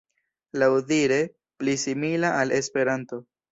Laŭdire pli simila al Esperanto.